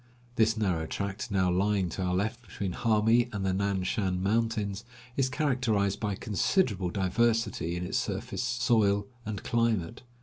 This narrow tract, now lying to our left between Hami and the Nan Shan mountains, is characterized by considerable diversity in its surface, soil, and climate.